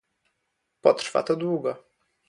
Potrwa to długo